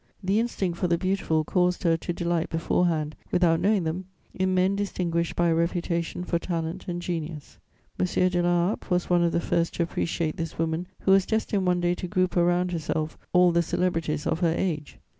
The instinct for the beautiful caused her to delight beforehand, without knowing them, in men distinguished by a reputation for talent and genius. "M. de La Harpe was one of the first to appreciate this woman who was destined one day to group around herself all the celebrities of her age.